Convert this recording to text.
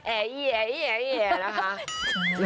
แอี้ยแล้วค่ะ